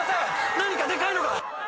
何か、でかいのが！